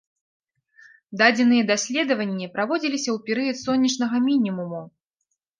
Дадзеныя даследаванні праводзіліся ў перыяд сонечнага мінімуму.